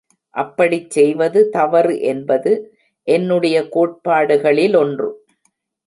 அப்படிச் செய்வது தவறு என்பது என்னுடைய கோட்பாடுகளி லொன்று.